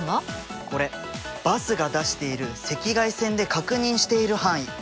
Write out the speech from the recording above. これバスが出している赤外線で確認している範囲。